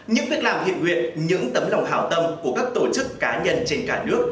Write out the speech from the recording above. những việc làm hiện nguyện những tấm lòng hào tâm của các tổ chức cá nhân trên cả đường